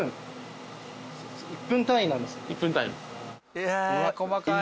えっ細かい！